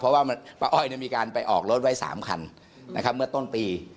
เพราะว่าป้าอ้อยมีการไปออกรถไว้๓คันนะครับเมื่อต้นปี